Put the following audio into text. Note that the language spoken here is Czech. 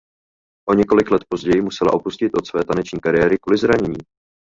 O několik let později musela upustit od své taneční kariéry kvůli zranění.